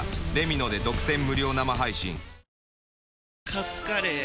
カツカレー？